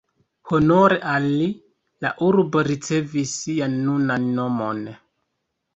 Honore al li la urbo ricevis sian nunan nomon.